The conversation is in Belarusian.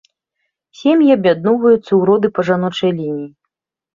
Сем'і аб'ядноўваюцца ў роды па жаночай лініі.